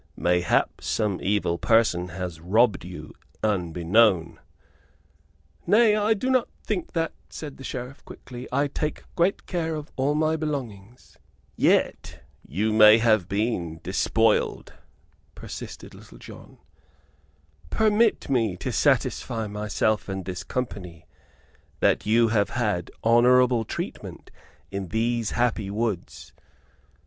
Mayhap some evil person has robbed you unbeknown." "Nay I do not think that," said the Sheriff, quickly; "I take great care of all my belongings " "Yet you may have been despoiled," persisted Little John; "permit me to satisfy myself and this company that you have had honorable treatment in these happy woods."